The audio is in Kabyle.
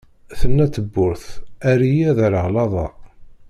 Tenna tebburt : err-iyi, ad rreɣ lada!